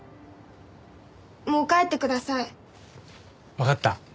わかった。